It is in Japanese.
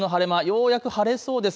ようやく晴れそうです。